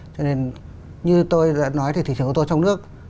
cho nên như tôi đã nói thì thị trường ô tô trong nước